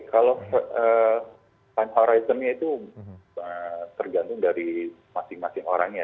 kalau time horizonnya itu tergantung dari masing masing orang ya